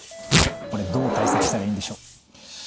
これどう対策したらいいんでしょう？